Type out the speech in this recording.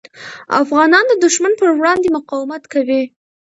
افغانان د دښمن پر وړاندې مقاومت کوي.